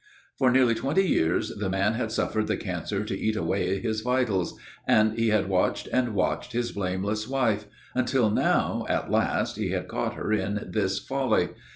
For nearly twenty years the man had suffered the cancer to eat away his vitals, and he had watched and watched his blameless wife, until now, at last, he had caught her in this folly.